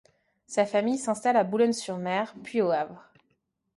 Sa famille s'installe à Boulogne-sur-Mer, puis au Havre.